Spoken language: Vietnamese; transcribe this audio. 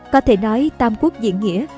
có thể nói tam quốc diễn nghĩa